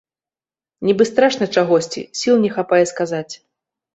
Нібы страшна чагосьці, сіл не хапае сказаць.